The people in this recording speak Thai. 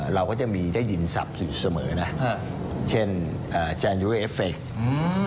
เราก็จะมีได้ยินศัพท์อยู่เสมอนะครับเช่นอ่าเอฟเฟกต์อืม